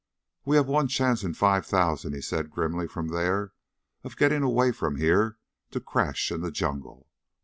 "We have one chance in five thousand," he said grimly from there, "of getting away from here to crash in the jungle.